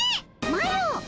マロ！